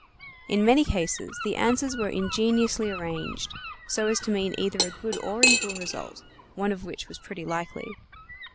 In many cases the answers were ingeniously arranged, so as to mean either a good or evil result, one of which was pretty likely.